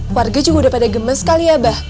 warga juga udah pada gemes kali ya bah